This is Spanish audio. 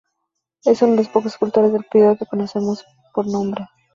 Es de los pocos escultores del período que conocemos por nombre.